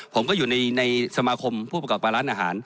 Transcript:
ผมก็อยู่ในสมาคมผู้ประกอบการร้านอาหาร